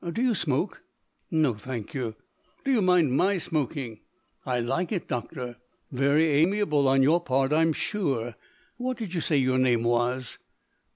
Do you smoke?" "No, thank you." "Do you mind my smoking?" "I like it, doctor." "Very amiable on your part, I'm sure. What did you say your name was?"